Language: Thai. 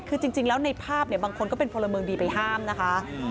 คือจริงแล้วในภาพเนี่ยบางคนก็เป็นพลเมืองดีไปห้ามนะคะ